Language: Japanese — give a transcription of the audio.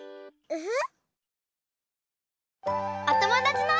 うん。